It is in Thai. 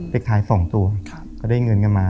ท้าย๒ตัวก็ได้เงินกันมา